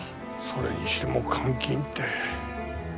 それにしても監禁って。